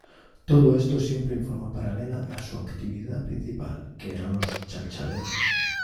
Todo esto siempre en forma paralela a su actividad principal, que eran Los Chalchaleros.